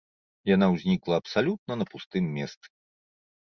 Яна ўзнікла абсалютна на пустым месцы.